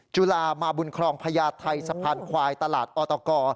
จุลามาบุญครองพญาไทยสะพานควายตลาดออตก